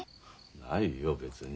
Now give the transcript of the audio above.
ないよ別に。